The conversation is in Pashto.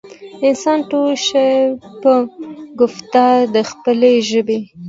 انسان تول شي پۀ ګفتار د خپلې ژبې